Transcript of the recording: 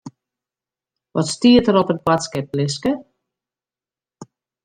Wat stiet der op it boadskiplistke?